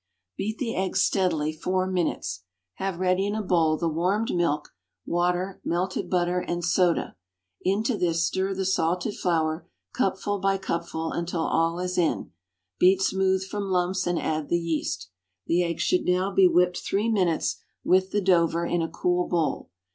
Beat the eggs steadily four minutes. Have ready in a bowl the warmed milk, water, melted butter and soda. Into this stir the salted flour, cupful by cupful, until all is in. Beat smooth from lumps and add the yeast. The eggs should now be whipped three minutes with the "Dover," in a cool bowl.